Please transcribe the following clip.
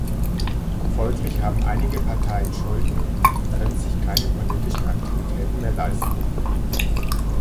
Folglich haben einige Parteien Schulden und können sich keine politischen Aktivitäten mehr leisten.